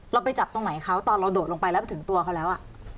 เราไปจับตรงไหนเขาตอนเราโดดลงไปแล้วไปถึงตัวเขาแล้ว